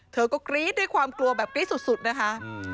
เธอก็กรี๊ดด้วยความกลัวแบบกรี๊ดสุดนะคะ